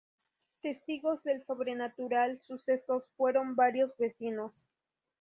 Testigos del sobrenatural suceso fueron varios vecinos.